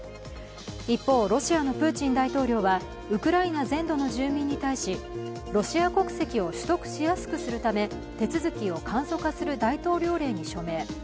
一方、ロシアのプーチン大統領はウクライナ全土の住民に対しロシア国籍を取得しやすくするため手続きを簡素化する大統領令に署名。